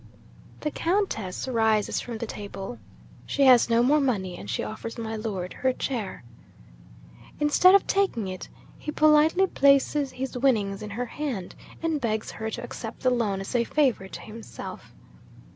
'The Countess rises from the table. She has no more money, and she offers my Lord her chair. 'Instead of taking it, he politely places his winnings in her hand, and begs her to accept the loan as a favour to himself.